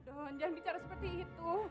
jangan bicara seperti itu